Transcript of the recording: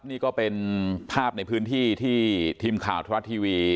นี่ก็เป็นภาพในพื้นที่ที่ทีมข่าวธรรมรัฐทีวี